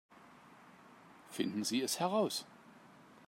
Finden Sie es heraus!